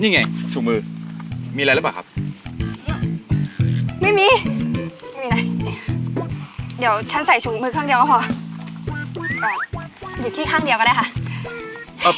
เดี๋ยวฉันใส่ถุงมือข้างเดียวก็พอเอ่อหยุดขี้ข้างเดียวก็ได้ค่ะ